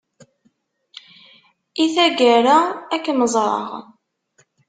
I taggara ad kem-ẓreɣ.